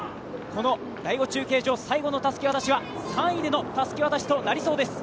第５中継所最後のたすき渡しでは、３位でのたすき渡しとなりそうです。